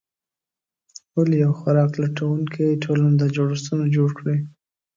ولې یوه خوراک لټونکې ټولنه دا جوړښتونه جوړ کړي؟